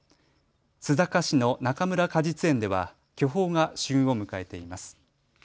須坂市のなかむら果実園では巨峰が旬を迎えています。